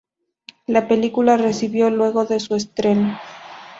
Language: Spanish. La película recibió, luego de su estreno.